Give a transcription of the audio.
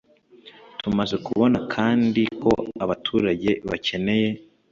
Tumaze kubona kandi ko abaturage bakeneye